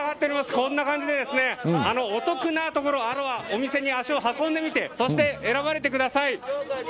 こんな感じでお得なところお店に足を運んでみてそして選ばれてください。